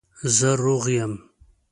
زه روغ یم